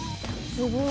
すごい。